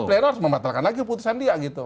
pleno harus membatalkan lagi putusan dia gitu